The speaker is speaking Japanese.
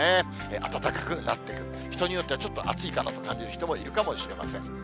暖かくなってくる、人によっては、ちょっと暑いかなと感じる人もいるかもしれません。